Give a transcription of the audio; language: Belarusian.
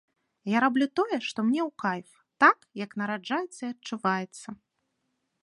Я раблю тое, што мне ў кайф, так, як нараджаецца і адчуваецца.